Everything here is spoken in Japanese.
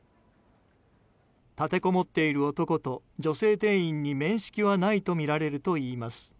立てこもっている男と女性店員に面識はないとみられるといいます。